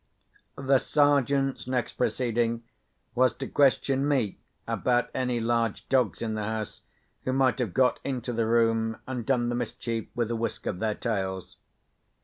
The Sergeant's next proceeding was to question me about any large dogs in the house who might have got into the room, and done the mischief with a whisk of their tails.